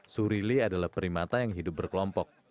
surili adalah primata yang hidup berkelompok